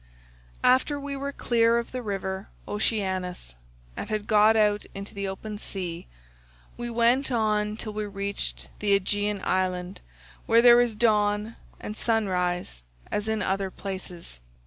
"After we were clear of the river Oceanus, and had got out into the open sea, we went on till we reached the Aeaean island where there is dawn and sun rise as in other places.